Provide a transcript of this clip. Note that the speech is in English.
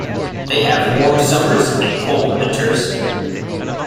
They have warm summers and cold winters.